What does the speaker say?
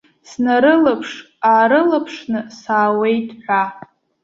Снарылаԥш-аарылаԥшны саауеит ҳәа.